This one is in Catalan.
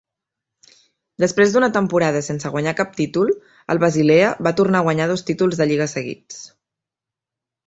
Després d'una temporada sense guanyar cap títol, el Basilea va tornar a guanyar dos títols de lliga seguits.